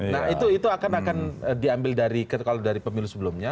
nah itu akan diambil kalau dari pemilu sebelumnya